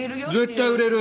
絶対売れる。